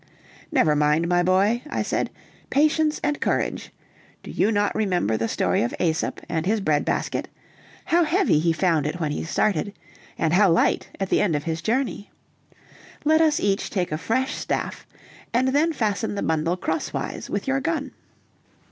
"Never mind, my boy," I said, "patience and courage! Do you not remember the story of Æsop and his breadbasket, how heavy he found it when he started, and how light at the end of his journey? Let us each take a fresh staff, and then fasten the bundle crosswise with your gun."